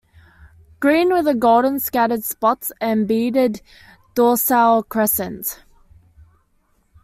"Green with golden scattered spots and beaded dorsal crescent".